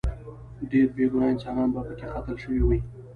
ډیر بې ګناه انسانان به پکې قتل شوي وي.